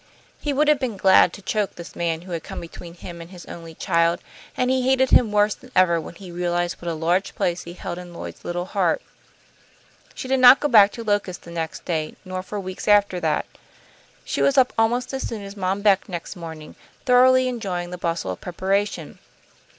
He would have been glad to choke this man who had come between him and his only child, and he hated him worse than ever when he realized what a large place he held in Lloyd's little heart. She did not go back to Locust the next day, nor for weeks after that. She was up almost as soon as Mom Beck next morning, thoroughly enjoying the bustle of preparation.